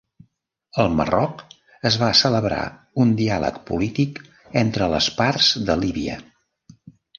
Al Marroc es va celebrar un diàleg polític entre les parts de Líbia.